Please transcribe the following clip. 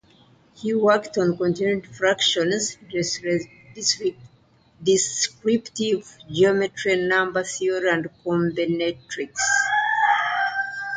He worked on continued fractions, descriptive geometry, number theory and combinatorics.